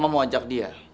mama mau ajak kamu ke rumah